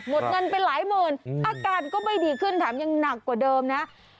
เงินไปหลายหมื่นอาการก็ไม่ดีขึ้นแถมยังหนักกว่าเดิมนะ